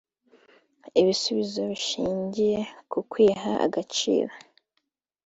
ibisubizo bishingira ku kwiha agaciro